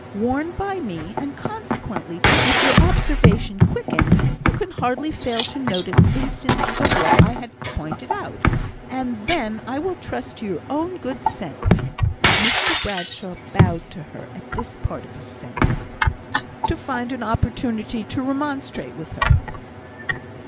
Warned by me, and, consequently, with your observation quickened, you can hardly fail to notice instances of what I have pointed out; and then I will trust to your own good sense" (Mr Bradshaw bowed to her at this part of his sentence) "to find an opportunity to remonstrate with her."